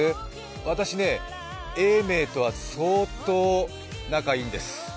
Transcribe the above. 私、永明とは相当仲いいんです。